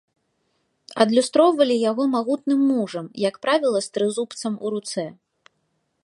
Адлюстроўвалі яго магутным мужам, як правіла, з трызубцам у руцэ.